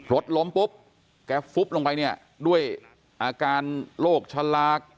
รถล้มปุ๊บแกฟุบลงไปเนี่ยด้วยอาการโรคฉลาก